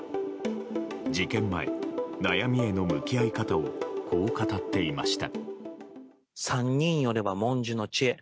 事件前、悩みへの向き合い方をこう語っていました。